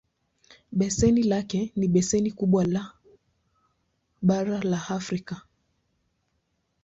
Beseni lake ni beseni kubwa le bara la Afrika.